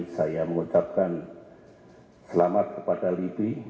saya mengucapkan selamat kepada lidi